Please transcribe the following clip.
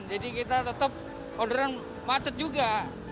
jadi kita tetap orderan macet juga